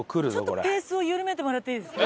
ちょっとペースを緩めてもらっていいですか？